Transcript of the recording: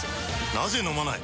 なぜ飲まない？